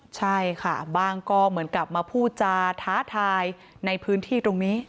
ใช่ค่ะบ้างก็เหมือนกลับมาพูดจาท้าทายในพื้นที่ตรงนี้